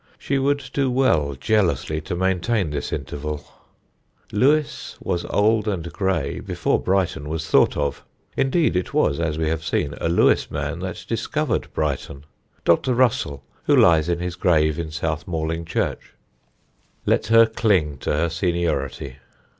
She would do well jealously to maintain this interval. Lewes was old and grey before Brighton was thought of (indeed, it was, as we have seen, a Lewes man that discovered Brighton Dr. Russell, who lies in his grave in South Malling church); let her cling to her seniority.